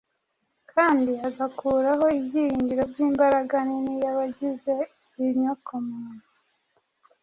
kandi agakuraho ibyiringiro by’imbaraga nini y’abagize inyokomuntu.